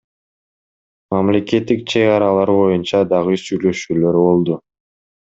Мамлекеттик чек аралар боюнча дагы сүйлөшүүлөр болду.